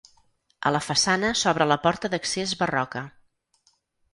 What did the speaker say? A la façana s'obre la porta d'accés barroca.